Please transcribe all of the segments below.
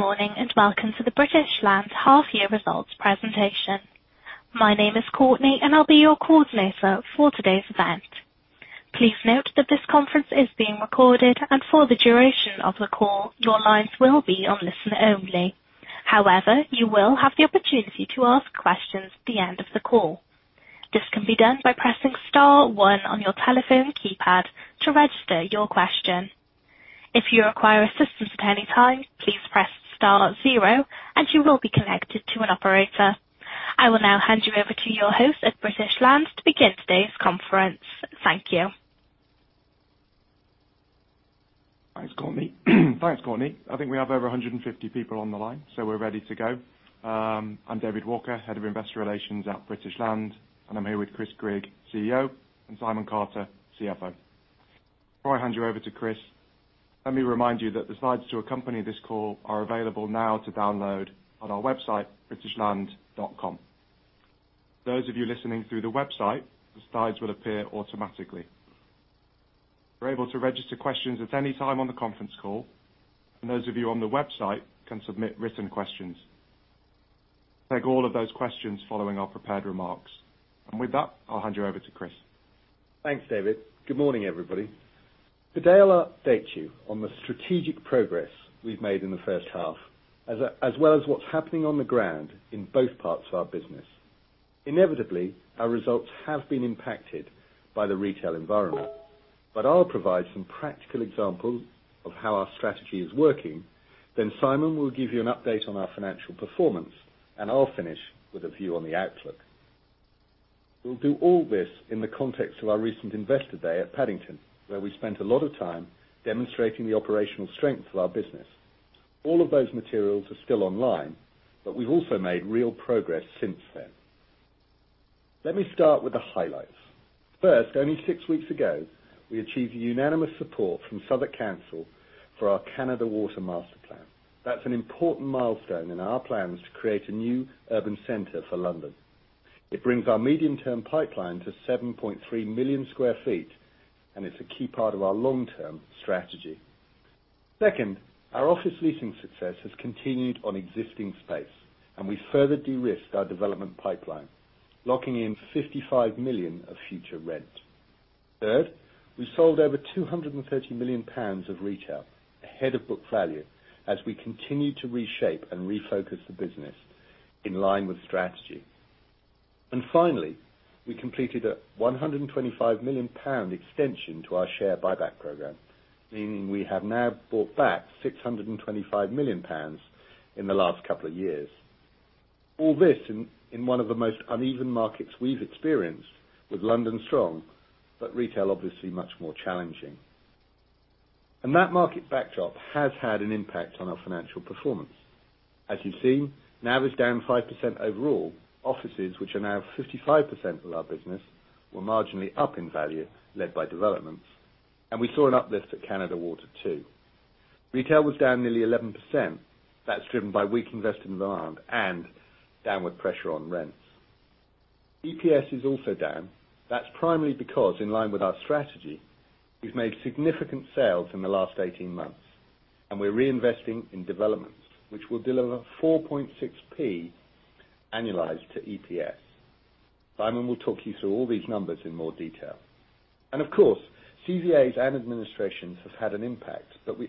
Good morning, and welcome to the British Land Half Year Results presentation. My name is Courtney, and I'll be your coordinator for today's event. Please note that this conference is being recorded, and for the duration of the call, your lines will be on listen only. However, you will have the opportunity to ask questions at the end of the call. This can be done by pressing star one on your telephone keypad to register your question. If you require assistance at any time, please press star zero and you will be connected to an operator. I will now hand you over to your host at British Land to begin today's conference. Thank you. Thanks, Courtney. Thanks, Courtney. I think we have over 150 people on the line, so we're ready to go. I'm David Walker, Head of Investor Relations at British Land, and I'm here with Chris Grigg, CEO, and Simon Carter, CFO. Before I hand you over to Chris, let me remind you that the slides to accompany this call are available now to download on our website, britishland.com. Those of you listening through the website, the slides will appear automatically. You're able to register questions at any time on the conference call, and those of you on the website can submit written questions. We'll take all of those questions following our prepared remarks. With that, I'll hand you over to Chris. Thanks, David. Good morning, everybody. Today, I'll update you on the strategic progress we've made in the first half, as well as what's happening on the ground in both parts of our business. Inevitably, our results have been impacted by the retail environment. I'll provide some practical examples of how our strategy is working. Simon will give you an update on our financial performance, and I'll finish with a view on the outlook. We'll do all this in the context of our recent investor day at Paddington, where we spent a lot of time demonstrating the operational strength of our business. All of those materials are still online, but we've also made real progress since then. Let me start with the highlights. First, only six weeks ago, we achieved unanimous support from Southwark Council for our Canada Water master plan. That's an important milestone in our plans to create a new urban center for London. It brings our medium-term pipeline to 7.3 million square feet, and it's a key part of our long-term strategy. Second, our office leasing success has continued on existing space, and we further de-risked our development pipeline, locking in 55 million of future rent. Third, we sold over 230 million pounds of retail ahead of book value as we continued to reshape and refocus the business in line with strategy. Finally, we completed a 125 million pound extension to our share buyback program, meaning we have now bought back 625 million pounds in the last couple of years. All this in one of the most uneven markets we've experienced with London strong, but retail obviously much more challenging. That market backdrop has had an impact on our financial performance. As you've seen, NAV is down 5% overall. Offices, which are now 55% of our business, were marginally up in value, led by developments. We saw an uplift at Canada Water, too. Retail was down nearly 11%. That's driven by weak investor demand and downward pressure on rents. EPS is also down. That's primarily because, in line with our strategy, we've made significant sales in the last 18 months and we're reinvesting in developments, which will deliver 0.046 annualized to EPS. Simon will talk you through all these numbers in more detail. Of course, CVAs and administrations have had an impact.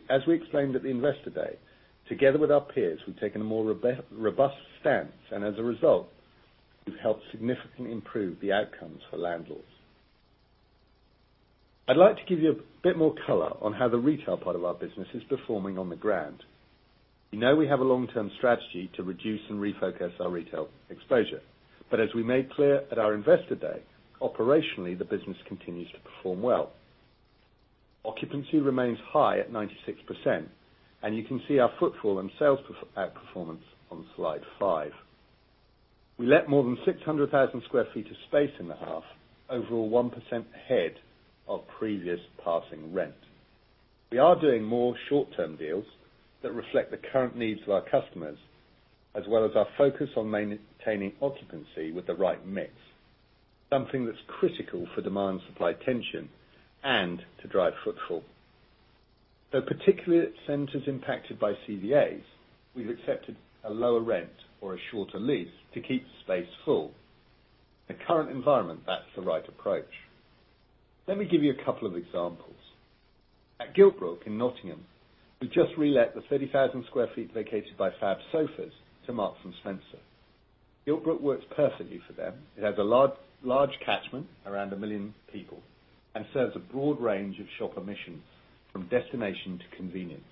As we explained at the investor day, together with our peers, we've taken a more robust stance, and as a result, we've helped significantly improve the outcomes for landlords. I'd like to give you a bit more color on how the retail part of our business is performing on the ground. You know we have a long-term strategy to reduce and refocus our retail exposure. As we made clear at our investor day, operationally, the business continues to perform well. Occupancy remains high at 96%, and you can see our footfall and sales outperformance on slide five. We let more than 600,000 sq ft of space in the half, overall 1% ahead of previous passing rent. We are doing more short-term deals that reflect the current needs of our customers, as well as our focus on maintaining occupancy with the right mix, something that's critical for demand-supply tension and to drive footfall. Particularly at centers impacted by CVAs, we've accepted a lower rent or a shorter lease to keep the space full. In the current environment, that's the right approach. Let me give you a couple of examples. At Giltbrook in Nottingham, we just relet the 30,000 sq ft vacated by Fabb Sofas to Marks & Spencer. Giltbrook works perfectly for them. It has a large catchment, around 1 million people, and serves a broad range of shopper missions from destination to convenience.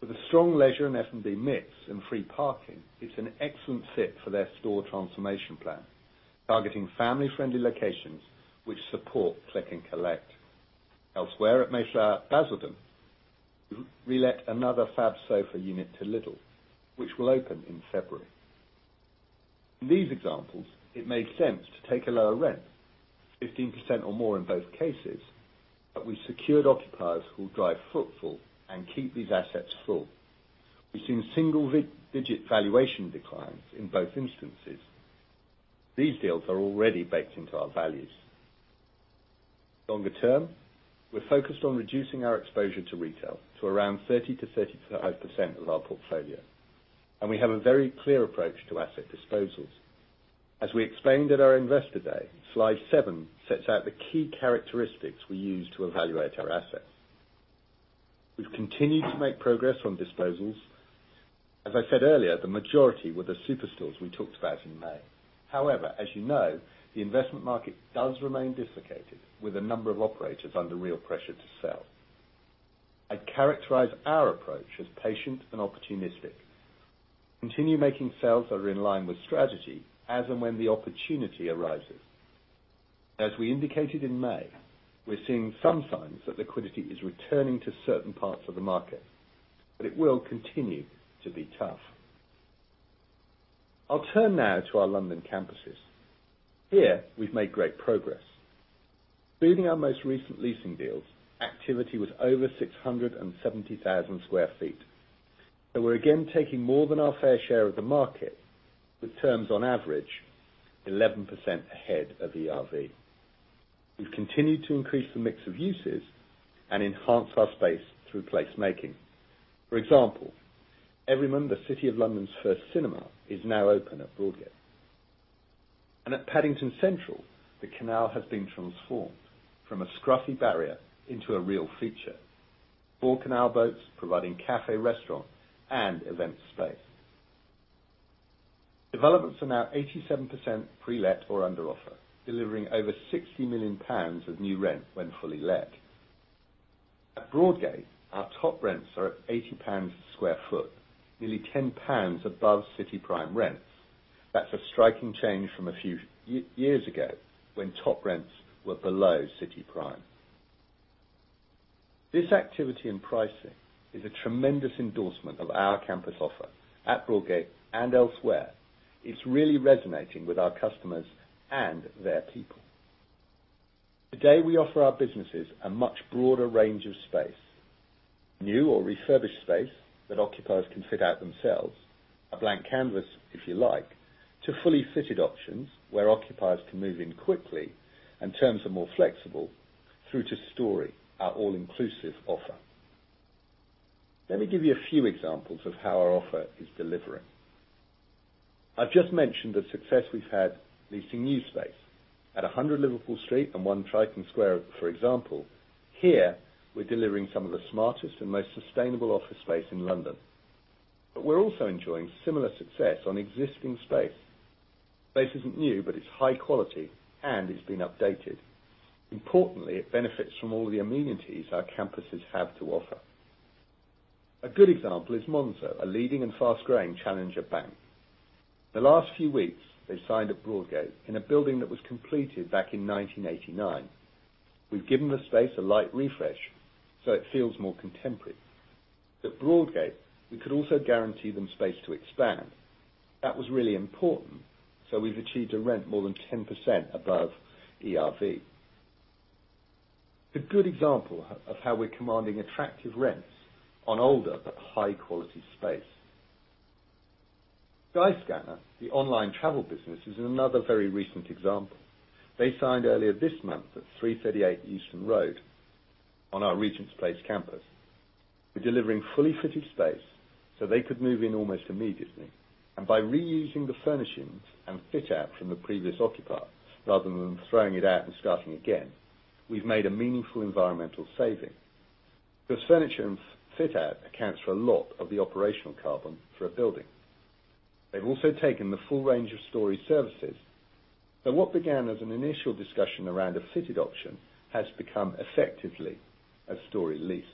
With a strong leisure and F&B mix and free parking, it's an excellent fit for their store transformation plan, targeting family-friendly locations which support click and collect. Elsewhere at Mayflower Basildon, we relet another Fabb Sofa unit to Lidl, which will open in February. In these examples, it made sense to take a lower rent, 15% or more in both cases, but we secured occupiers who will drive footfall and keep these assets full. We've seen single-digit valuation declines in both instances. These deals are already baked into our values. Longer term, we're focused on reducing our exposure to retail to around 30%-35% of our portfolio, and we have a very clear approach to asset disposals. As we explained at our Investor Day, slide seven sets out the key characteristics we use to evaluate our assets. We've continued to make progress on disposals. As I said earlier, the majority were the super stores we talked about in May. As you know, the investment market does remain dissipated with a number of operators under real pressure to sell. I'd characterize our approach as patient and opportunistic. Continue making sales are in line with strategy as and when the opportunity arises. As we indicated in May, we're seeing some signs that liquidity is returning to certain parts of the market, but it will continue to be tough. I'll turn now to our London campuses. Here, we've made great progress. Including our most recent leasing deals, activity was over 670,000 square feet, and we're again taking more than our fair share of the market with terms on average 11% ahead of ERV. We've continued to increase the mix of uses and enhance our space through place-making. For example, Everyman, the City of London's first cinema, is now open at Broadgate. At Paddington Central, the canal has been transformed from a scruffy barrier into a real feature, four canal boats providing cafe, restaurant, and event space. Developments are now 87% pre-let or under offer, delivering over 60 million pounds of new rent when fully let. At Broadgate, our top rents are at 80 pounds a square foot, nearly 10 pounds above City Prime rents. That's a striking change from a few years ago when top rents were below City Prime. This activity and pricing is a tremendous endorsement of our campus offer at Broadgate and elsewhere. It's really resonating with our customers and their people. Today, we offer our businesses a much broader range of space. New or refurbished space that occupiers can fit out themselves, a blank canvas, if you like, to fully fitted options where occupiers can move in quickly and terms are more flexible through to Storey, our all-inclusive offer. Let me give you a few examples of how our offer is delivering. I've just mentioned the success we've had leasing new space. At 100 Liverpool Street and One Triton Square, for example, here we're delivering some of the smartest and most sustainable office space in London. We're also enjoying similar success on existing space. Space isn't new, but it's high quality and it's been updated. Importantly, it benefits from all the amenities our campuses have to offer. A good example is Monzo, a leading and fast-growing challenger bank. The last few weeks, they've signed at Broadgate in a building that was completed back in 1989. We've given the space a light refresh, so it feels more contemporary. At Broadgate, we could also guarantee them space to expand. That was really important, so we've achieved a rent more than 10% above ERV. A good example of how we're commanding attractive rents on older but high-quality space. Skyscanner, the online travel business, is another very recent example. They signed earlier this month at 338 Euston Road on our Regent's Place campus. We're delivering fully fitted space so they could move in almost immediately. By reusing the furnishings and fit out from the previous occupier, rather than throwing it out and starting again, we've made a meaningful environmental saving. The furniture and fit out accounts for a lot of the operational carbon for a building. They've also taken the full range of Storey services. What began as an initial discussion around a fitted option has become effectively a Storey lease.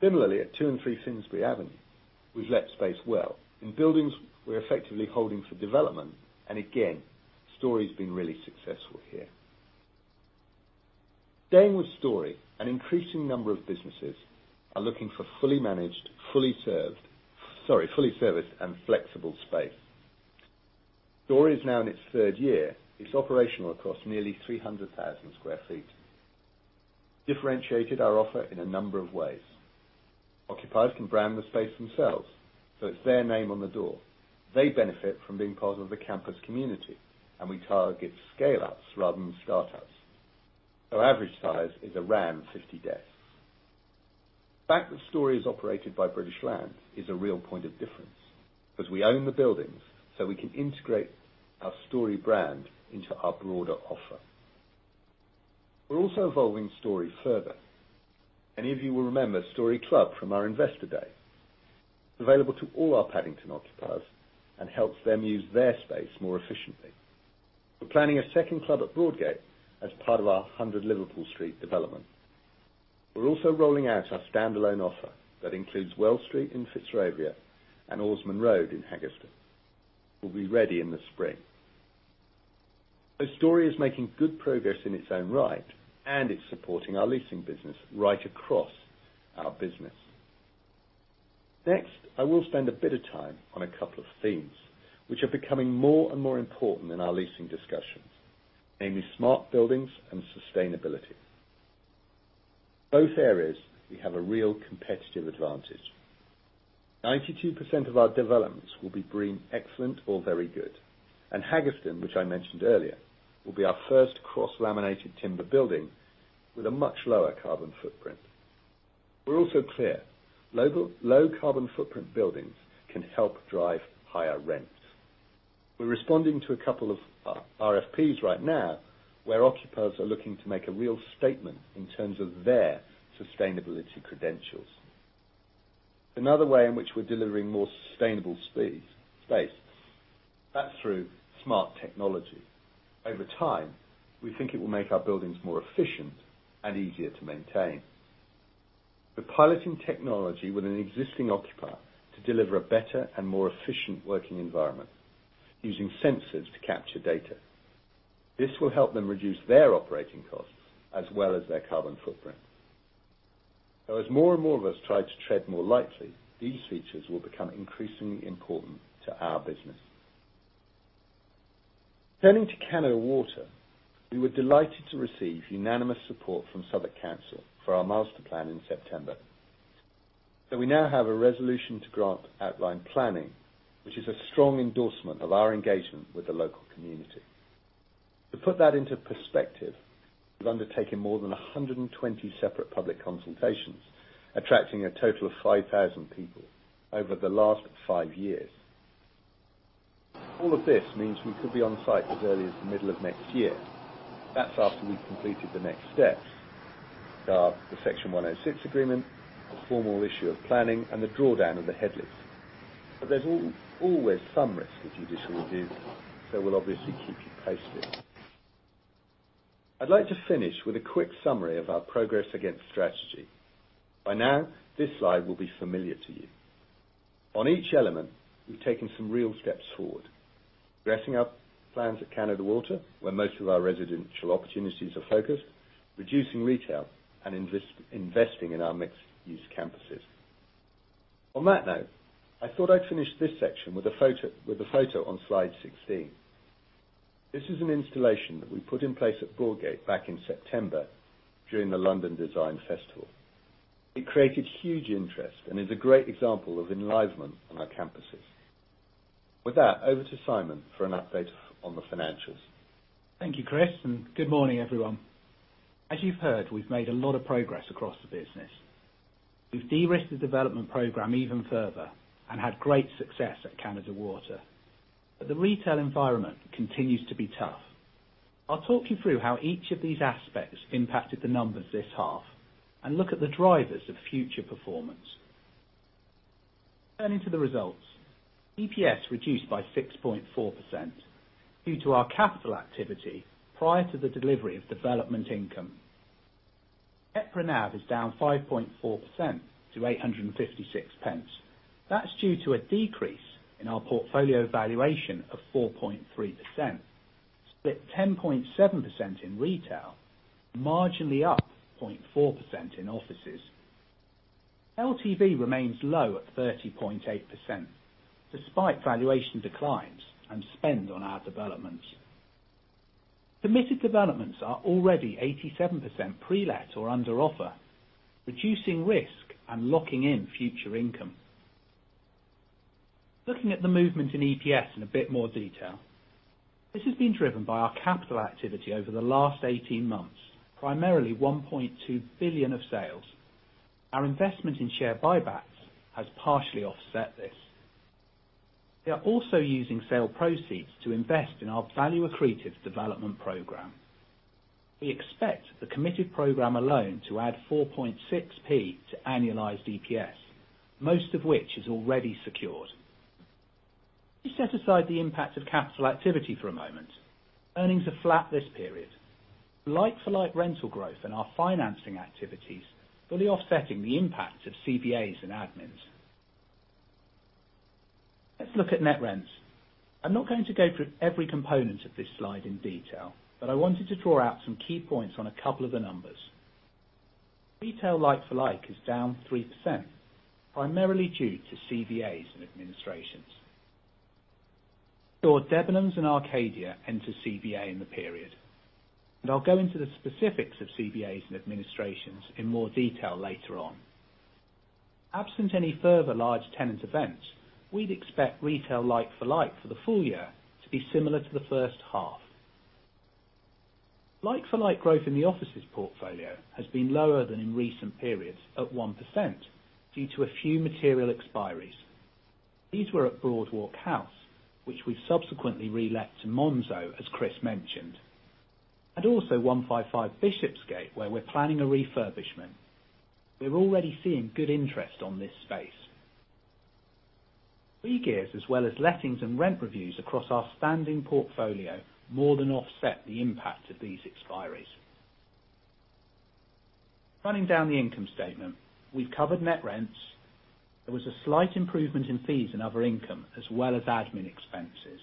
Similarly, at 2 and 3 Finsbury Avenue, we've let space well in buildings we're effectively holding for development. Again, Storey's been really successful here. Staying with Storey, an increasing number of businesses are looking for fully managed, fully serviced and flexible space. Storey is now in its third year. It's operational across nearly 300,000 sq ft. Differentiated our offer in a number of ways. Occupiers can brand the space themselves. It's their name on the door. They benefit from being part of the campus community. We target scale-ups rather than start-ups. Our average size is around 50 desks. The fact that Storey is operated by British Land is a real point of difference, because we own the buildings. We can integrate our Storey brand into our broader offer. We're also evolving Storey further. Any of you will remember Storey Club from our Investor Day. It's available to all our Paddington occupiers and helps them use their space more efficiently. We're planning a second club at Broadgate as part of our 100 Liverpool Street development. We're also rolling out our standalone offer that includes Well Street in Fitzrovia and Osborn Street in Haggerston. We'll be ready in the spring. Storey is making good progress in its own right, and it's supporting our leasing business right across our business. I will spend a bit of time on a couple of themes which are becoming more and more important in our leasing discussions, namely smart buildings and sustainability. Both areas, we have a real competitive advantage. 92% of our developments will be BREEAM excellent or very good, and Haggerston, which I mentioned earlier, will be our first cross-laminated timber building with a much lower carbon footprint. We're also clear, low carbon footprint buildings can help drive higher rents. We're responding to a couple of RFPs right now where occupiers are looking to make a real statement in terms of their sustainability credentials. Another way in which we're delivering more sustainable space, that's through smart technology. Over time, we think it will make our buildings more efficient and easier to maintain. We're piloting technology with an existing occupier to deliver a better and more efficient working environment using sensors to capture data. This will help them reduce their operating costs, as well as their carbon footprint. As more and more of us try to tread more lightly, these features will become increasingly important to our business. Turning to Canada Water, we were delighted to receive unanimous support from Southwark Council for our master plan in September. We now have a resolution to grant outline planning, which is a strong endorsement of our engagement with the local community. To put that into perspective, we've undertaken more than 120 separate public consultations, attracting a total of 5,000 people over the last five years. All of this means we could be on site as early as the middle of next year. That's after we've completed the next steps. They are the Section 106 agreement, the formal issue of planning, and the drawdown of the head lease. There's always some risk with judicial review, so we'll obviously keep you posted. I'd like to finish with a quick summary of our progress against strategy. By now, this slide will be familiar to you. On each element, we've taken some real steps forward. Progressing our plans at Canada Water, where most of our residential opportunities are focused, reducing retail, and investing in our mixed-use campuses. On that note, I thought I'd finish this section with a photo on slide 16. This is an installation that we put in place at Broadgate back in September during the London Design Festival. It created huge interest and is a great example of enlivenment on our campuses. With that, over to Simon for an update on the financials. Thank you, Chris. Good morning, everyone. As you've heard, we've made a lot of progress across the business. We've de-risked the development program even further and had great success at Canada Water. The retail environment continues to be tough. I'll talk you through how each of these aspects impacted the numbers this half and look at the drivers of future performance. Turning to the results. EPS reduced by 6.4% due to our capital activity prior to the delivery of development income. EPS per NAV is down 5.4% to 8.56. That's due to a decrease in our portfolio valuation of 4.3%, split 10.7% in retail, marginally up 0.4% in offices. LTV remains low at 30.8% despite valuation declines and spend on our developments. Committed developments are already 87% pre-let or under offer, reducing risk and locking in future income. Looking at the movement in EPS in a bit more detail. This has been driven by our capital activity over the last 18 months, primarily 1.2 billion of sales. Our investment in share buybacks has partially offset this. We are also using sale proceeds to invest in our value accretive development program. We expect the committed program alone to add 0.046 to annualized EPS, most of which is already secured. If you set aside the impact of capital activity for a moment, earnings are flat this period. Like-for-like rental growth and our financing activities fully offsetting the impact of CVAs and admins. Let's look at net rents. I'm not going to go through every component of this slide in detail, but I wanted to draw out some key points on a couple of the numbers. Retail Like-for-like is down 3%, primarily due to CVAs and administrations. You saw Debenhams and Arcadia enter CVA in the period. I'll go into the specifics of CVAs and administrations in more detail later on. Absent any further large tenant events, we'd expect retail like-for-like for the full year to be similar to the first half. Like-for-like growth in the offices portfolio has been lower than in recent periods at 1% due to a few material expiries. These were at Broadwalk House, which we subsequently relet to Monzo, as Chris mentioned, and also 155 Bishopsgate, where we're planning a refurbishment. We're already seeing good interest on this space. Re-gears as well as lettings and rent reviews across our standing portfolio more than offset the impact of these expiries. Running down the income statement. We've covered net rents. There was a slight improvement in fees and other income as well as admin expenses.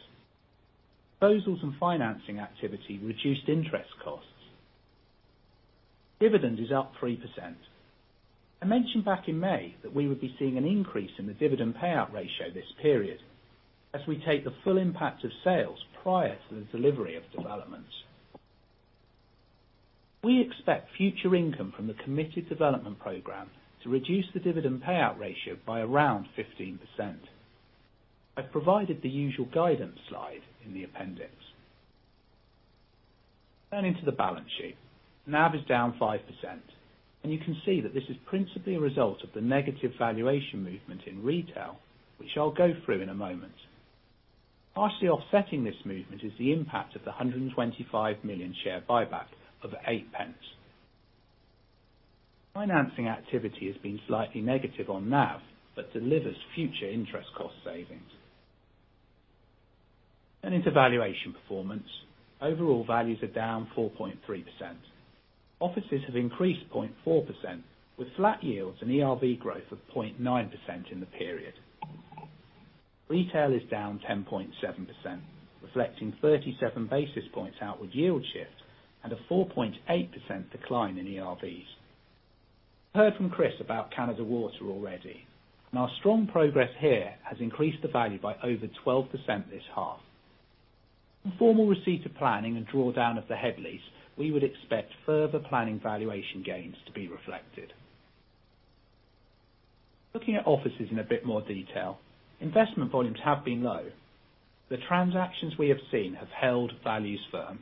Proposals and financing activity reduced interest costs. Dividend is up 3%. I mentioned back in May that we would be seeing an increase in the dividend payout ratio this period, as we take the full impact of sales prior to the delivery of developments. We expect future income from the committed development program to reduce the dividend payout ratio by around 15%. I've provided the usual guidance slide in the appendix. Turning to the balance sheet. NAV is down 5%, and you can see that this is principally a result of the negative valuation movement in retail, which I'll go through in a moment. Partially offsetting this movement is the impact of the 125 million share buyback of 0.08. Financing activity has been slightly negative on NAV, but delivers future interest cost savings. Turning to valuation performance. Overall values are down 4.3%. Offices have increased 0.4%, with flat yields and ERV growth of 0.9% in the period. Retail is down 10.7%, reflecting 37 basis points outward yield shift and a 4.8% decline in ERVs. You heard from Chris about Canada Water already, and our strong progress here has increased the value by over 12% this half. On formal receipt of planning and drawdown of the head lease, we would expect further planning valuation gains to be reflected. Looking at offices in a bit more detail, investment volumes have been low. The transactions we have seen have held values firm,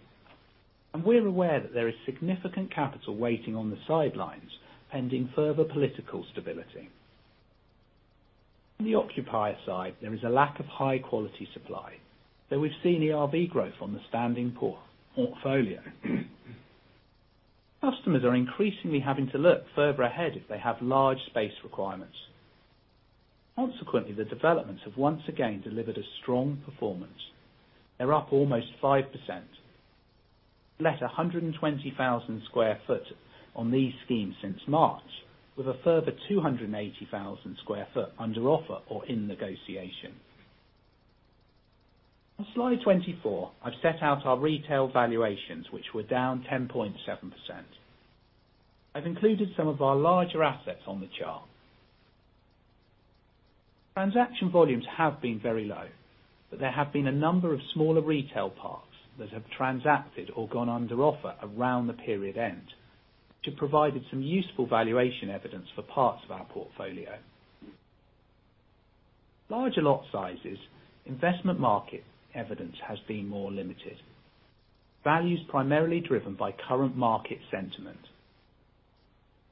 and we're aware that there is significant capital waiting on the sidelines pending further political stability. On the occupier side, there is a lack of high-quality supply, though we've seen ERV growth on the standing portfolio. Customers are increasingly having to look further ahead if they have large space requirements. Consequently, the developments have once again delivered a strong performance. They're up almost 5%. We've let 120,000 square foot on these schemes since March, with a further 280,000 square foot under offer or in negotiation. On slide 24, I've set out our retail valuations, which were down 10.7%. I've included some of our larger assets on the chart. Transaction volumes have been very low, there have been a number of smaller retail parks that have transacted or gone under offer around the period end, which have provided some useful valuation evidence for parts of our portfolio. Larger lot sizes, investment market evidence has been more limited. Value's primarily driven by current market sentiment.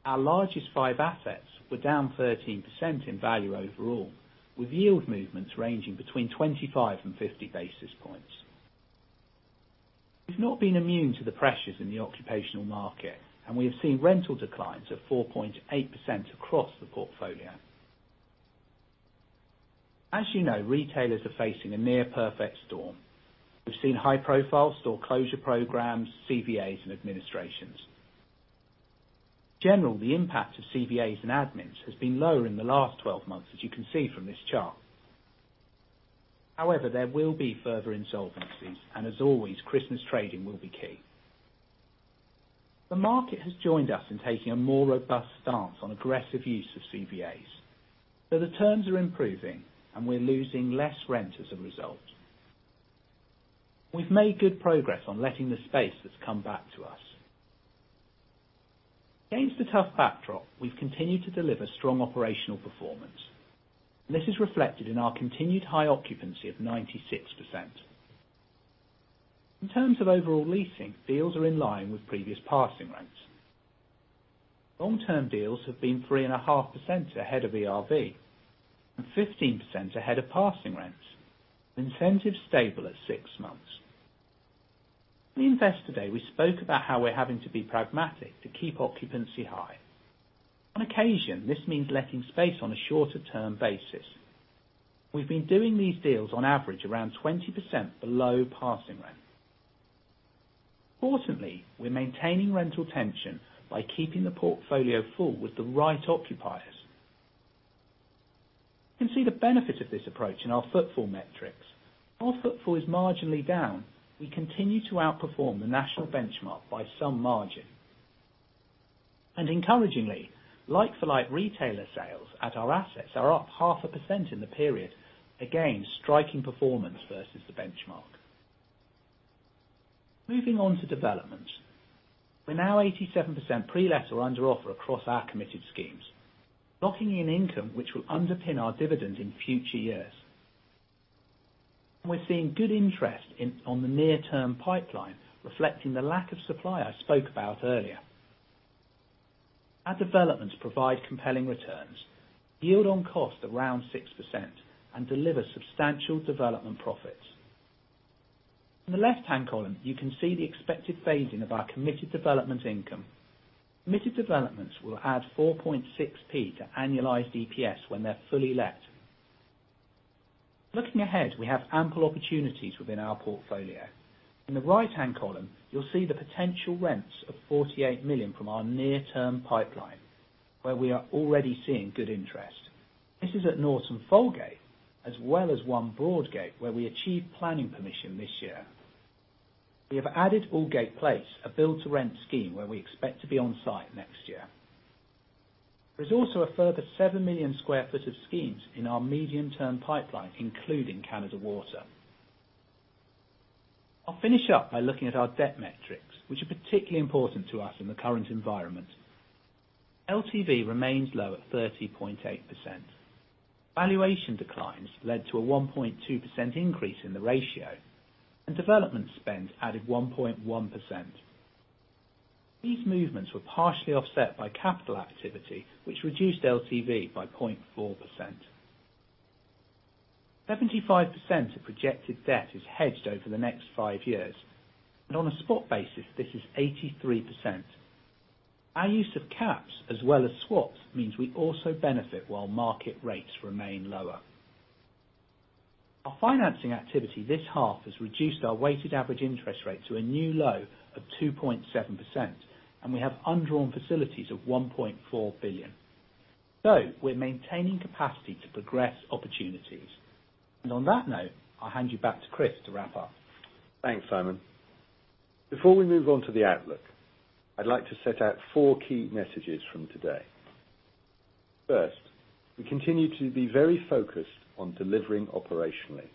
Our largest five assets were down 13% in value overall, with yield movements ranging between 25 and 50 basis points. We've not been immune to the pressures in the occupational market, and we have seen rental declines of 4.8% across the portfolio. As you know, retailers are facing a near perfect storm. We've seen high-profile store closure programs, CVAs and administrations. In general, the impact of CVAs and admins has been lower in the last 12 months, as you can see from this chart. There will be further insolvencies and, as always, Christmas trading will be key. The market has joined us in taking a more robust stance on aggressive use of CVAs. The terms are improving, and we're losing less rent as a result. We've made good progress on letting the space that's come back to us. Against the tough backdrop, we've continued to deliver strong operational performance, and this is reflected in our continued high occupancy of 96%. In terms of overall leasing, deals are in line with previous passing rents. Long-term deals have been 3.5% ahead of ERV and 15% ahead of passing rents, with incentives stable at six months. At the investor day, we spoke about how we're having to be pragmatic to keep occupancy high. On occasion, this means letting space on a shorter-term basis. We've been doing these deals on average around 20% below passing rent. Importantly, we're maintaining rental tension by keeping the portfolio full with the right occupiers. You can see the benefit of this approach in our footfall metrics. Our footfall is marginally down. We continue to outperform the national benchmark by some margin. Encouragingly, like-for-like retailer sales at our assets are up 0.5% in the period, again, striking performance versus the benchmark. Moving on to developments. We're now 87% pre-let or under offer across our committed schemes, locking in income which will underpin our dividend in future years. We're seeing good interest on the near-term pipeline, reflecting the lack of supply I spoke about earlier. Our developments provide compelling returns, yield on cost around 6%, and deliver substantial development profits. In the left-hand column, you can see the expected phasing of our committed development income. Committed developments will add 4.6p to annualized DPS when they're fully let. Looking ahead, we have ample opportunities within our portfolio. In the right-hand column, you'll see the potential rents of 48 million from our near-term pipeline, where we are already seeing good interest. This is at Norton Folgate, as well as One Broadgate, where we achieved planning permission this year. We have added Aldgate Place, a build-to-rent scheme where we expect to be on-site next year. There's also a further 7 million sq ft of schemes in our medium-term pipeline, including Canada Water. I'll finish up by looking at our debt metrics, which are particularly important to us in the current environment. LTV remains low at 30.8%. Valuation declines led to a 1.2% increase in the ratio, and development spend added 1.1%. These movements were partially offset by capital activity, which reduced LTV by 0.4%. 75% of projected debt is hedged over the next five years, and on a spot basis, this is 83%. Our use of caps as well as swaps means we also benefit while market rates remain lower. Our financing activity this half has reduced our weighted average interest rate to a new low of 2.7%, and we have undrawn facilities of 1.4 billion. We're maintaining capacity to progress opportunities. On that note, I'll hand you back to Chris to wrap up. Thanks, Simon. Before we move on to the outlook, I'd like to set out four key messages from today. First, we continue to be very focused on delivering operationally.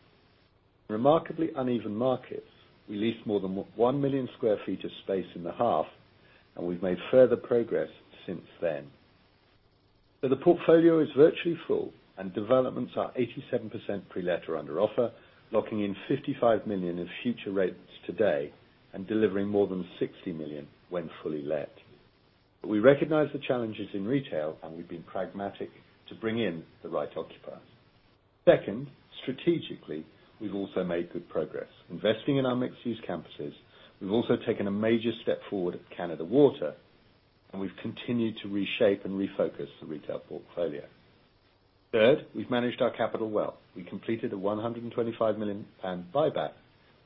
Remarkably uneven markets released more than 1 million square feet of space in the half, and we've made further progress since then. The portfolio is virtually full and developments are 87% prelet or under offer, locking in 55 million of future rents today and delivering more than 60 million when fully let. We recognize the challenges in retail, and we've been pragmatic to bring in the right occupiers. Second, strategically, we've also made good progress. Investing in our mixed-use campuses, we've also taken a major step forward at Canada Water, and we've continued to reshape and refocus the retail portfolio. Third, we've managed our capital well. We completed a 125 million buyback,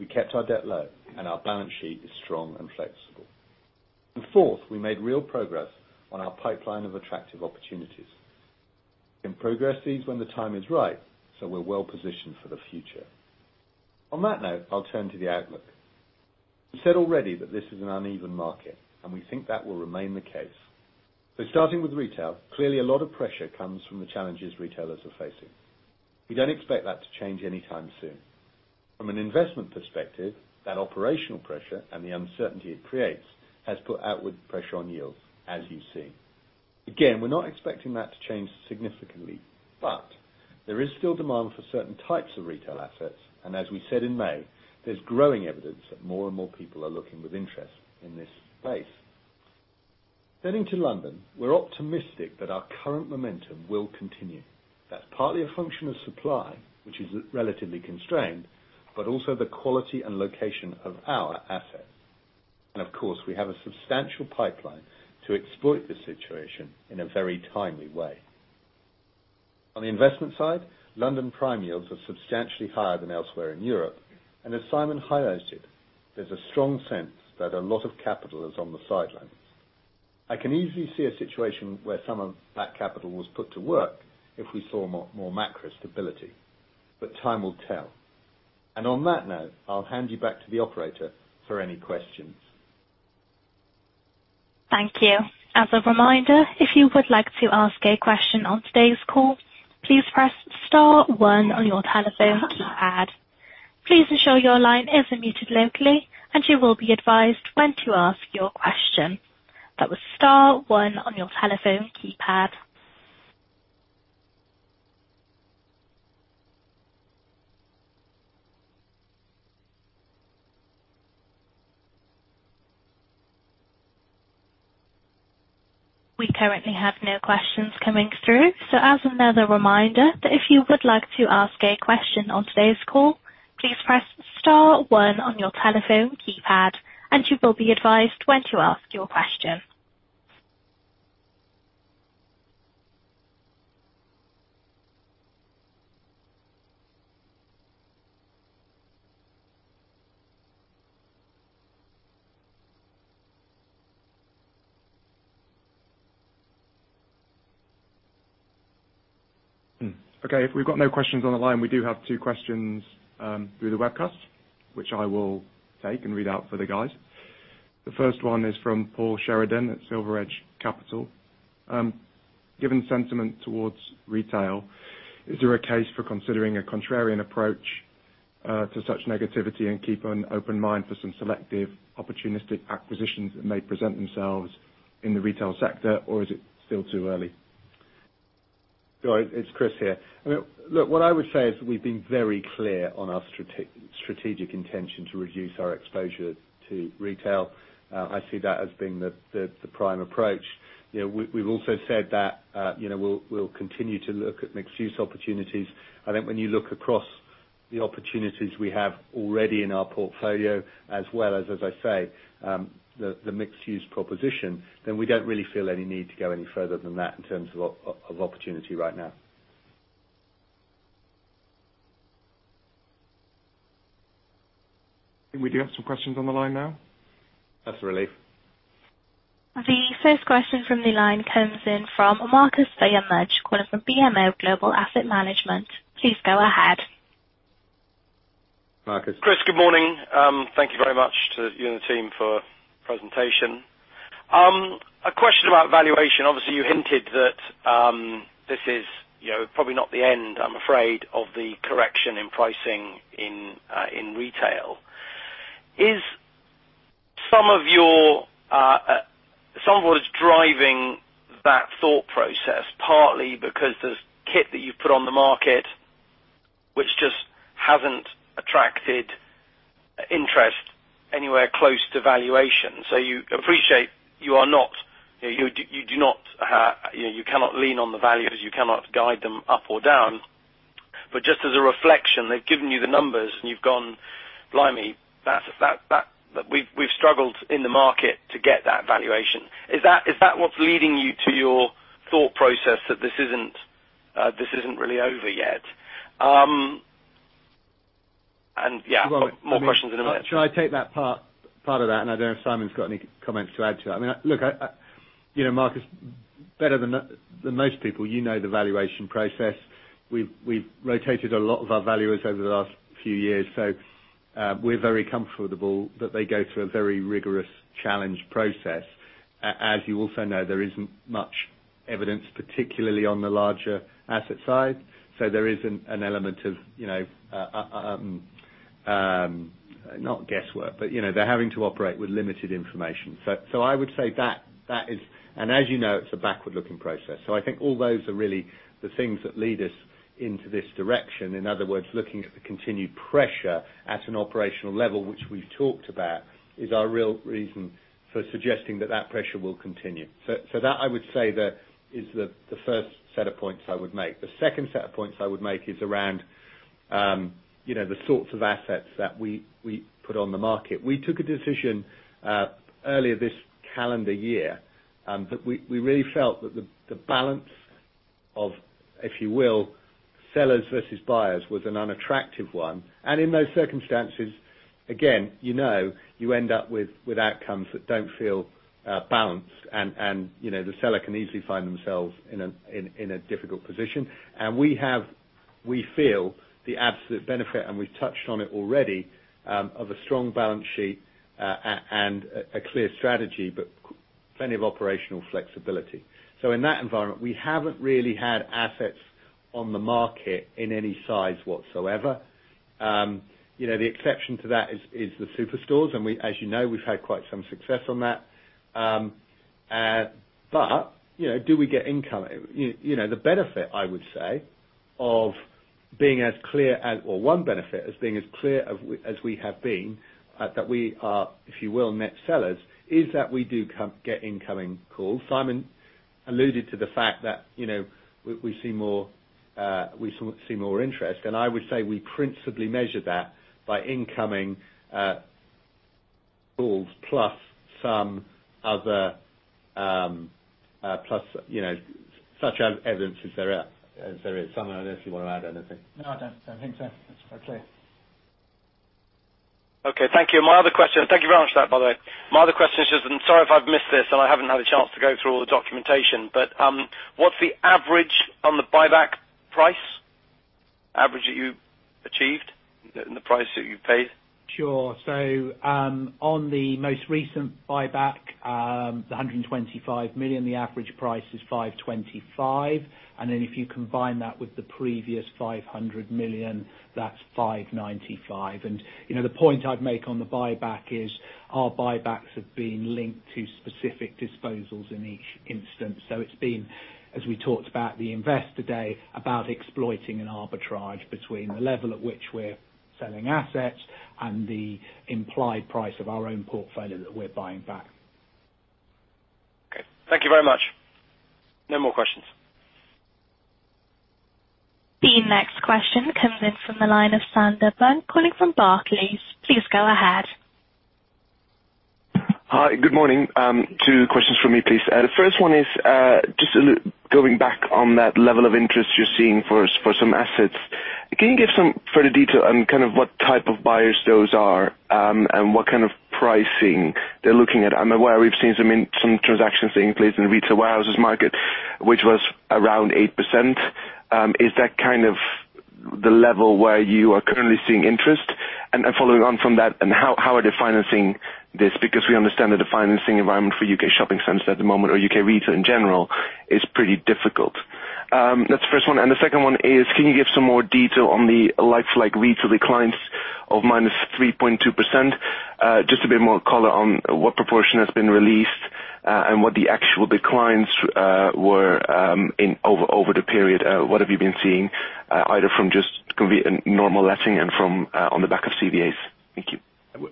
we kept our debt low, and our balance sheet is strong and flexible. Fourth, we made real progress on our pipeline of attractive opportunities. We can progress these when the time is right, so we're well-positioned for the future. On that note, I'll turn to the outlook. We said already that this is an uneven market, and we think that will remain the case. Starting with retail, clearly a lot of pressure comes from the challenges retailers are facing. We don't expect that to change anytime soon. From an investment perspective, that operational pressure and the uncertainty it creates has put outward pressure on yields, as you've seen. We're not expecting that to change significantly, but there is still demand for certain types of retail assets, and as we said in May, there's growing evidence that more and more people are looking with interest in this space. Turning to London, we're optimistic that our current momentum will continue. That's partly a function of supply, which is relatively constrained, but also the quality and location of our assets. Of course, we have a substantial pipeline to exploit this situation in a very timely way. On the investment side, London prime yields are substantially higher than elsewhere in Europe, and as Simon highlighted, there's a strong sense that a lot of capital is on the sidelines. I can easily see a situation where some of that capital was put to work if we saw more macro stability, but time will tell. On that note, I'll hand you back to the operator for any questions. Thank you. As a reminder, if you would like to ask a question on today's call, please press star one on your telephone keypad. Please ensure your line is unmuted locally and you will be advised when to ask your question. That was star one on your telephone keypad. We currently have no questions coming through. As another reminder that if you would like to ask a question on today's call, please press star one on your telephone keypad, and you will be advised when to ask your question. Okay. If we've got no questions on the line, we do have two questions through the webcast, which I will take and read out for the guys. The first one is from Paul Sheridan at SilverEdge Capital. Given sentiment towards retail, is there a case for considering a contrarian approach to such negativity and keep an open mind for some selective opportunistic acquisitions that may present themselves in the retail sector? Or is it still too early? All right. It's Chris here. Look, what I would say is we've been very clear on our strategic intention to reduce our exposure to retail. I see that as being the prime approach. We've also said that we'll continue to look at mixed-use opportunities. I think when you look across the opportunities we have already in our portfolio as well as I say, the mixed-use proposition, then we don't really feel any need to go any further than that in terms of opportunity right now. I think we do have some questions on the line now. That's a relief. The first question from the line comes in from [Marcus Thayumage], calling from BMO Global Asset Management. Please go ahead. Marcus. Chris, good morning. Thank you very much to you and the team for presentation. A question about valuation. Obviously, you hinted that this is probably not the end, I'm afraid, of the correction in pricing in retail. Is some of what is driving that thought process partly because there's kit that you've put on the market, which just hasn't attracted interest anywhere close to valuation? You appreciate you cannot lean on the valuers, you cannot guide them up or down. Just as a reflection, they've given you the numbers and you've gone, "Blimey! We've struggled in the market to get that valuation." Is that what's leading you to your thought process that this isn't really over yet? Yeah, more questions in a minute. Shall I take that part of that, and I don't know if Simon's got any comments to add to that. Look, Marcus, better than most people, you know the valuation process. We've rotated a lot of our valuers over the last few years, so we're very comfortable that they go through a very rigorous challenge process. As you also know, there isn't much evidence, particularly on the larger asset side. There is an element of, not guesswork, but they're having to operate with limited information. I would say that and as you know, it's a backward-looking process. I think all those are really the things that lead us into this direction. In other words, looking at the continued pressure at an operational level, which we've talked about, is our real reason for suggesting that that pressure will continue. That I would say that is the first set of points I would make. The second set of points I would make is around the sorts of assets that we put on the market. We took a decision earlier this calendar year, that we really felt that the balance of, if you will, sellers versus buyers was an unattractive one. In those circumstances, again, you know you end up with outcomes that don't feel balanced, and the seller can easily find themselves in a difficult position. We feel the absolute benefit, and we've touched on it already, of a strong balance sheet and a clear strategy, but plenty of operational flexibility. In that environment, we haven't really had assets on the market in any size whatsoever. The exception to that is the superstores, and as you know, we've had quite some success on that. Do we get incoming? The benefit I would say of being as clear as, or one benefit, is being as clear as we have been, that we are, if you will, net sellers, is that we do get incoming calls. Simon alluded to the fact that we see more interest, I would say we principally measure that by incoming calls plus some other such evidence as there is. Simon, I don't know if you want to add anything? No, I don't think so. That's quite clear. Okay, thank you. Thank you very much for that, by the way. My other question is just, and sorry if I've missed this, and I haven't had a chance to go through all the documentation, but what's the average on the buyback price, average that you achieved and the price that you paid? Sure. On the most recent buyback, the 125 million, the average price is 5.25. If you combine that with the previous 500 million, that's 5.95. The point I'd make on the buyback is our buybacks have been linked to specific disposals in each instance. It's been, as we talked about at the investor day, about exploiting an arbitrage between the level at which we're selling assets and the implied price of our own portfolio that we're buying back. Okay. Thank you very much. No more questions. The next question comes in from the line of Sander Bunck, calling from Barclays. Please go ahead. Hi. Good morning. Two questions from me, please. The first one is, just going back on that level of interest you're seeing for some assets. Can you give some further detail on what type of buyers those are, and what kind of pricing they're looking at? I'm aware we've seen some transactions being placed in the retail warehouses market, which was around 8%. Is that the level where you are currently seeing interest? Following on from that, how are they financing this? We understand that the financing environment for U.K. shopping centers at the moment, or U.K. retail in general, is pretty difficult. That's the first one. The second one is, can you give some more detail on the like-for-like retail declines of -3.2%? Just a bit more color on what proportion has been released, and what the actual declines were over the period. What have you been seeing, either from just normal letting and from on the back of CVAs? Thank you.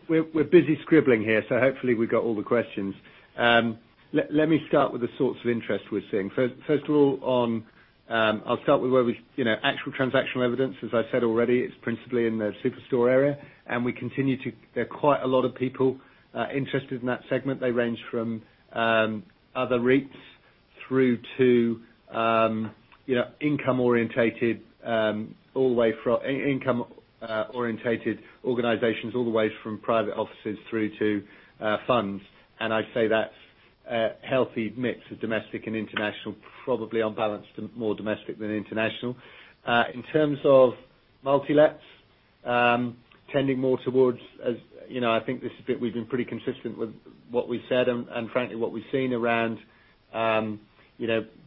We're busy scribbling here, so hopefully we got all the questions. Let me start with the sorts of interest we're seeing. First of all, I'll start with actual transactional evidence. I said already, it's principally in the superstore area, and there are quite a lot of people interested in that segment. They range from other REITs through to income oriented organizations all the way from private offices through to funds. I'd say that's a healthy mix of domestic and international, probably on balance, more domestic than international. In terms of multi-lets, tending more towards, I think this is a bit we've been pretty consistent with what we've said and frankly what we've seen around that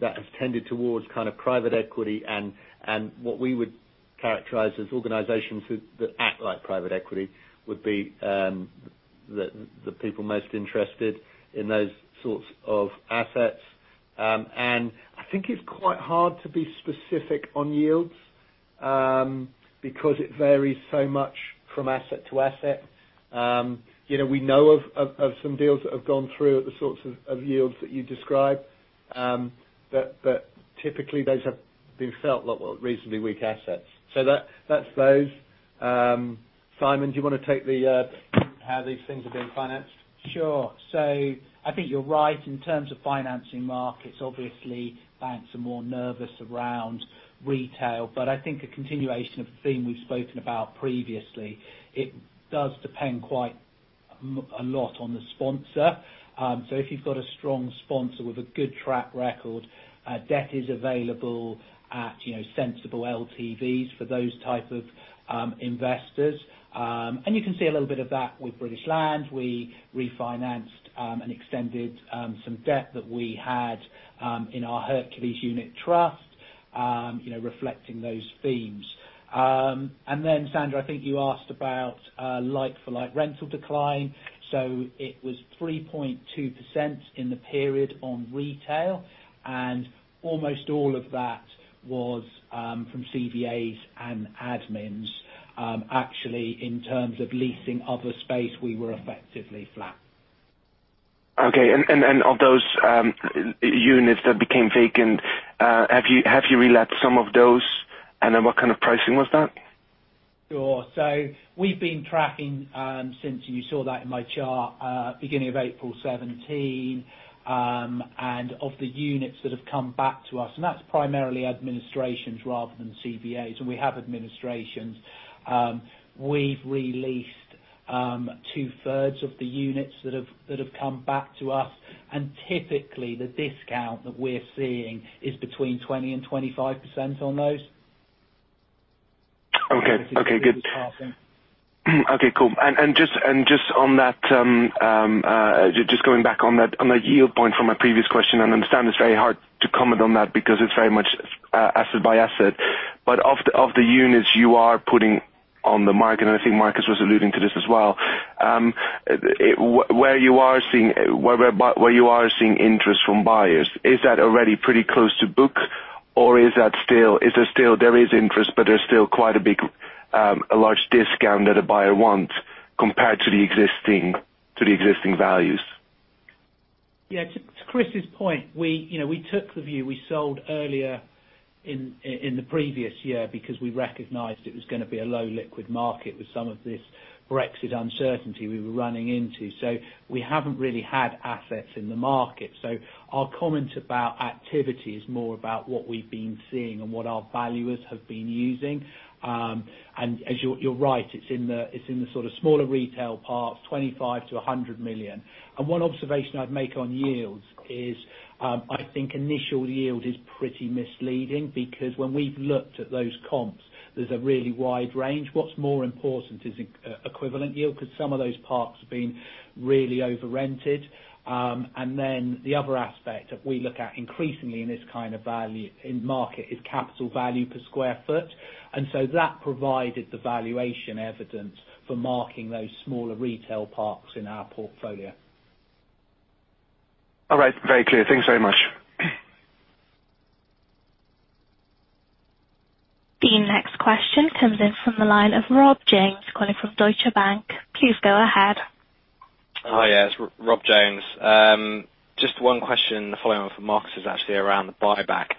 has tended towards kind of private equity and what we would characterize as organizations that act like private equity would be the people most interested in those sorts of assets. I think it's quite hard to be specific on yields, because it varies so much from asset to asset. We know of some deals that have gone through at the sorts of yields that you describe, but typically those have been felt lot more reasonably weak assets. That's those. Simon, do you want to take how these things are being financed? Sure. I think you're right in terms of financing markets, obviously banks are more nervous around retail. I think a continuation of a theme we've spoken about previously, it does depend quite a lot on the sponsor. If you've got a strong sponsor with a good track record, debt is available at sensible LTVs for those type of investors. You can see a little bit of that with British Land. We refinanced and extended some debt that we had in our Hercules Unit Trust, reflecting those themes. Sander, I think you asked about like-for-like rental decline. It was 3.2% in the period on retail, and almost all of that was from CVAs and admins. Actually, in terms of leasing other space, we were effectively flat. Okay. Of those units that became vacant, have you relet some of those? What kind of pricing was that? Sure. We've been tracking, since you saw that in my chart, beginning of April 2017. Of the units that have come back to us, and that's primarily administrations rather than CVAs, and we have administrations. We've re-leased two thirds of the units that have come back to us, and typically the discount that we're seeing is between 20%-25% on those. Okay, good. Okay, cool. Just going back on that yield point from my previous question, and I understand it's very hard to comment on that because it's very much asset by asset. Of the units you are putting on the market, and I think Marcus was alluding to this as well, where you are seeing interest from buyers, is that already pretty close to book? There is interest, but there's still quite a large discount that a buyer wants compared to the existing values? To Chris's point, we took the view, we sold earlier in the previous year because we recognized it was going to be a low liquid market with some of this Brexit uncertainty we were running into. We haven't really had assets in the market. Our comment about activity is more about what we've been seeing and what our valuers have been using. You're right, it's in the sort of smaller retail parks, 25 million to 100 million. One observation I'd make on yields is, I think initial yield is pretty misleading because when we've looked at those comps, there's a really wide range. What's more important is equivalent yield, because some of those parks have been really over-rented. The other aspect that we look at increasingly in this kind of market is capital value per square foot. That provided the valuation evidence for marking those smaller retail parks in our portfolio. All right. Very clear. Thanks very much. The next question comes in from the line of Rob Jones calling from Deutsche Bank. Please go ahead. Hi, yeah. It's Rob Jones. Just one question following on from Marcus, is actually around the buyback.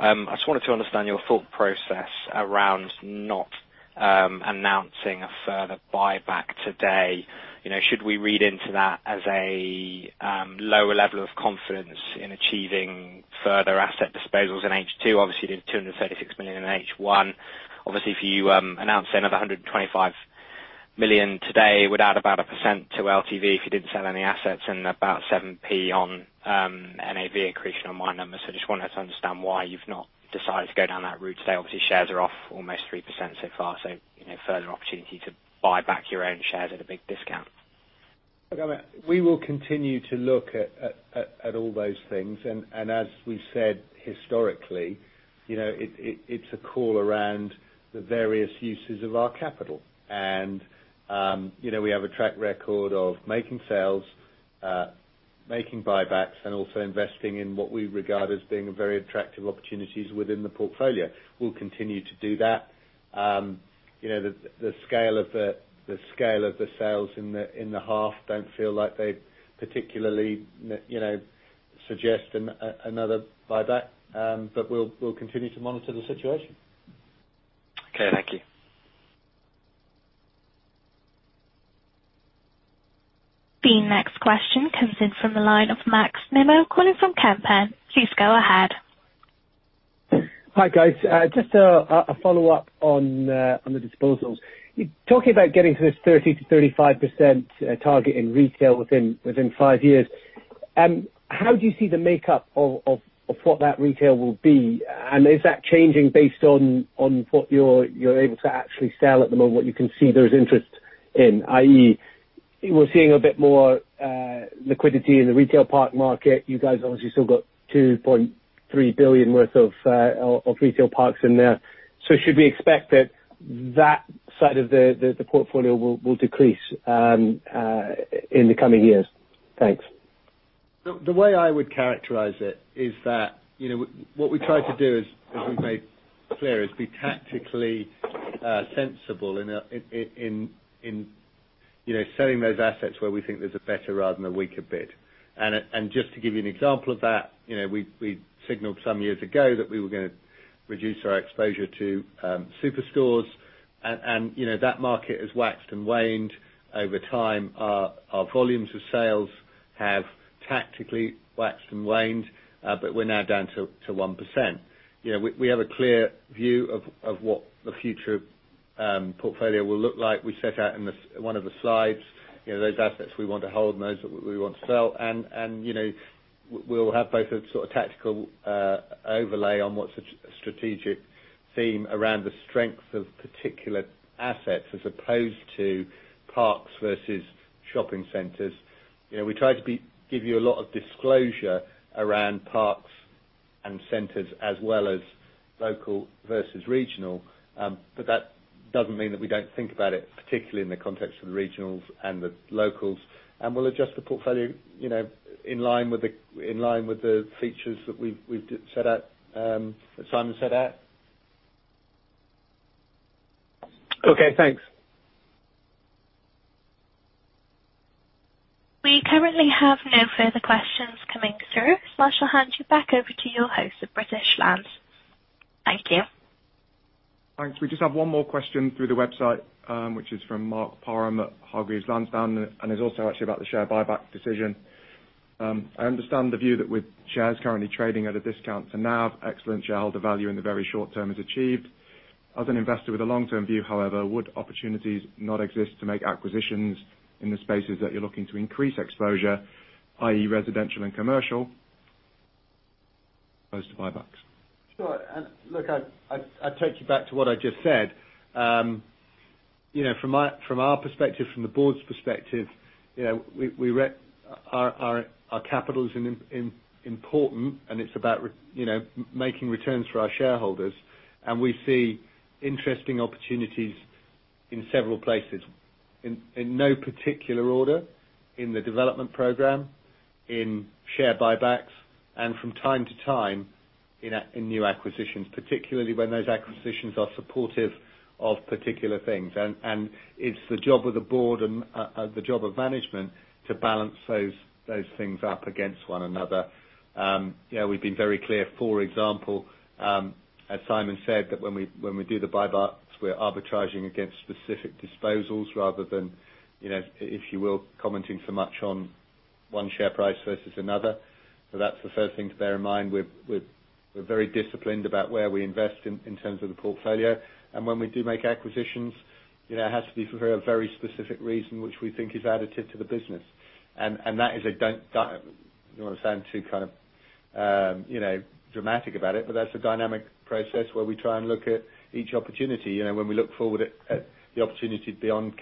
I just wanted to understand your thought process around not announcing a further buyback today. Should we read into that as a lower level of confidence in achieving further asset disposals in H2? Obviously you did 236 million in H1. Obviously if you announced another 125 million today, would add about 1% to LTV if you didn't sell any assets and about 0.07 on NAV accretion on my numbers. Just wanted to understand why you've not decided to go down that route today. Obviously shares are off almost 3% so far, so further opportunity to buy back your own shares at a big discount. We will continue to look at all those things, and as we've said historically, it's a call around the various uses of our capital. We have a track record of making sales, making buybacks, and also investing in what we regard as being very attractive opportunities within the portfolio. We'll continue to do that. The scale of the sales in the half don't feel like they particularly suggest another buyback, but we'll continue to monitor the situation. Okay. Thank you. The next question comes in from the line of Max Nimmo calling from Kempen. Please go ahead. Hi, guys. Just a follow-up on the disposals. You're talking about getting to this 30%-35% target in retail within five years. How do you see the makeup of what that retail will be? Is that changing based on what you're able to actually sell at the moment, what you can see there's interest in, i.e., we're seeing a bit more liquidity in the retail park market. You guys obviously still got 2.3 billion worth of retail parks in there. Should we expect that side of the portfolio will decrease in the coming years? Thanks. The way I would characterize it is that, what we try to do, as we've made clear, is be tactically sensible in selling those assets where we think there's a better rather than a weaker bid. Just to give you an example of that, we signaled some years ago that we were going to reduce our exposure to superstores. That market has waxed and waned over time. Our volumes of sales have tactically waxed and waned, but we're now down to 1%. We have a clear view of what the future portfolio will look like. We set out in one of the slides those assets we want to hold and those that we want to sell. We'll have both a tactical overlay on what's a strategic theme around the strength of particular assets, as opposed to parks versus shopping centers. We try to give you a lot of disclosure around parks and centers, as well as local versus regional. That doesn't mean that we don't think about it, particularly in the context of the regionals and the locals. We'll adjust the portfolio in line with the features that Simon set out. Okay, thanks. We currently have no further questions coming through, so I shall hand you back over to your host at British Land. Thank you. Thanks. We just have one more question through the website, which is from Mark Parham at Hargreaves Lansdown. It's also actually about the share buyback decision. I understand the view that with shares currently trading at a discount to NAV, excellent shareholder value in the very short term is achieved. As an investor with a long-term view, however, would opportunities not exist to make acquisitions in the spaces that you're looking to increase exposure, i.e., residential and commercial as opposed to buybacks? Sure. Look, I take you back to what I just said. From our perspective, from the board's perspective, our capital is important, and it's about making returns for our shareholders. We see interesting opportunities in several places. In no particular order, in the development program, in share buybacks, and from time to time in new acquisitions, particularly when those acquisitions are supportive of particular things. It's the job of the board and the job of management to balance those things up against one another. We've been very clear, for example, as Simon said, that when we do the buybacks, we're arbitraging against specific disposals rather than, if you will, commenting so much on one share price versus another. That's the first thing to bear in mind. We're very disciplined about where we invest in terms of the portfolio. When we do make acquisitions, it has to be for a very specific reason which we think is additive to the business. That is, I don't want to sound too dramatic about it, but that's a dynamic process where we try and look at each opportunity. When we look forward at the opportunity to be on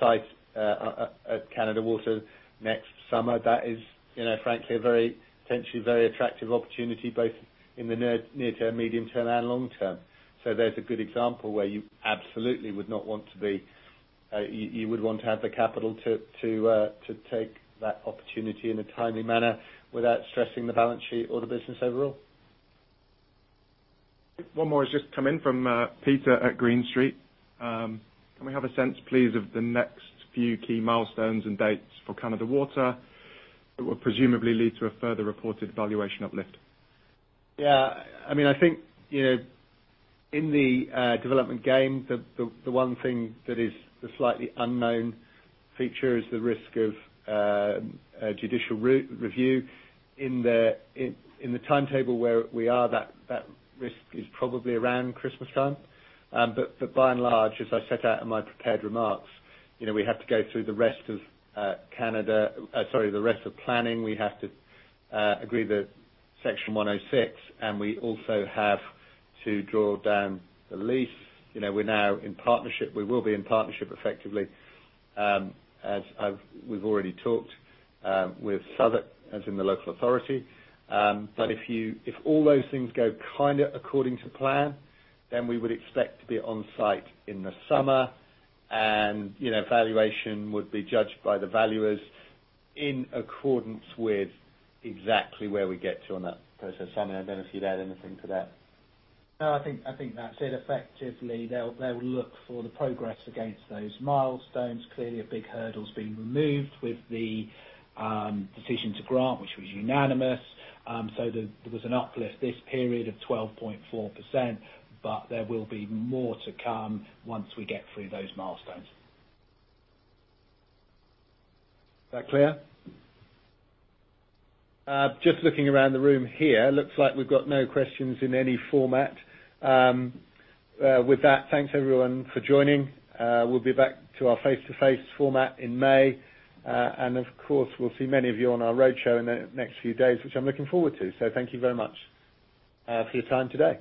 site at Canada Water next summer, that is frankly, a potentially very attractive opportunity both in the near term, medium term, and long term. There's a good example where you absolutely would want to have the capital to take that opportunity in a timely manner without stressing the balance sheet or the business overall. One more has just come in from Peter at Green Street. Can we have a sense, please, of the next few key milestones and dates for Canada Water that will presumably lead to a further reported valuation uplift? Yeah. I think in the development game, the one thing that is the slightly unknown feature is the risk of a judicial review. In the timetable where we are, that risk is probably around Christmas time. By and large, as I set out in my prepared remarks, we have to go through the rest of planning. We have to agree the Section 106, and we also have to draw down the lease. We will be in partnership effectively, as we've already talked, with Southwark Council, as in the local authority. If all those things go according to plan, then we would expect to be on site in the summer, and valuation would be judged by the valuers in accordance with exactly where we get to on that process. Simon, I don't know if you'd add anything to that. No, I think that's it. Effectively, they'll look for the progress against those milestones. Clearly, a big hurdle has been removed with the decision to grant, which was unanimous. There was an uplift this period of 12.4%, but there will be more to come once we get through those milestones. Is that clear? Just looking around the room here, looks like we've got no questions in any format. With that, thanks everyone for joining. We'll be back to our face-to-face format in May. Of course, we'll see many of you on our roadshow in the next few days, which I'm looking forward to. Thank you very much for your time today.